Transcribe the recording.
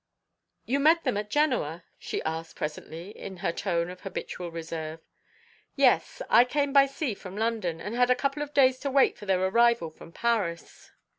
"You met them at Genoa?" she asked presently, in her tone of habitual reserve. "Yes. I came by sea from London, and had a couple of days to wait for their arrival from Paris."